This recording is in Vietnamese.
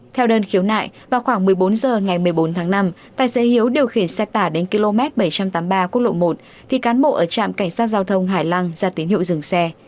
theo đơn khiếu nại vào khoảng một mươi bốn h ngày một mươi bốn tháng năm tài xế hiếu điều khiển xe tải đến km bảy trăm tám mươi ba quốc lộ một thì cán bộ ở trạm cảnh sát giao thông hải lăng ra tín hiệu dừng xe